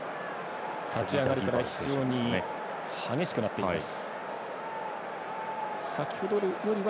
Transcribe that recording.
立ち上がりから執ように激しくなっています。